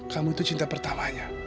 kamu itu cinta pertamanya